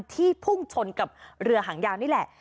พุ่งชนกับเรือหางยาวนี่แหละ